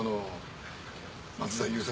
松田優作